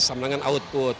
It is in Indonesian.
sama dengan output